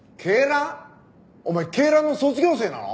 お前恵蘭の卒業生なの！？